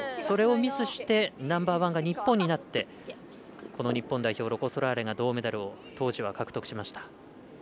それをミスしてナンバーワンが日本になってこの日本代表、ロコ・ソラーレが銅メダルを当時は獲得しました。